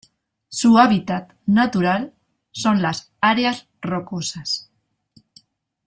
Su hábitat natural son las áreas rocosas.